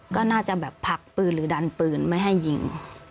ก็น่าจะแบบผลักปืนหรือดันปืนไม่ให้ยิง